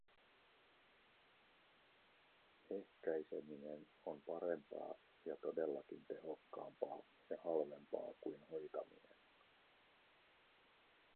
Ehkäiseminen on parempaa ja todellakin tehokkaampaa ja halvempaa kuin hoitaminen.